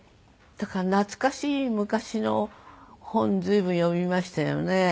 だから懐かしい昔の本随分読みましたよね。